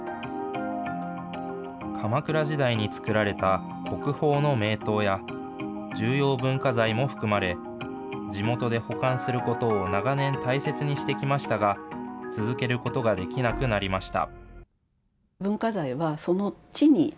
鎌倉時代に作られた国宝の名刀や、重要文化財も含まれ、地元で保管することを長年、大切にしてきましたが、続けることができなくなりました。